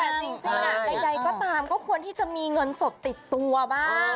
แต่จริงใดก็ตามก็ควรที่จะมีเงินสดติดตัวบ้าง